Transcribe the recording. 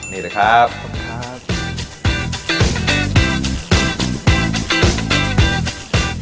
นี่นะครับขอบคุณครับ